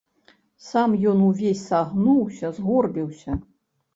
Сам ён увесь сагнуўся, згорбіўся.